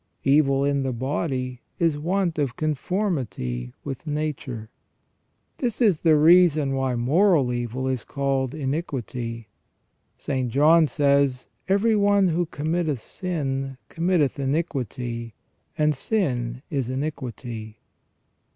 Evil in the body is want of conformity with nature."* This is the reason why moral evil is called iniquity. St. John says :" Every one who committeth sin, committeth iniquity : and sin is iniquity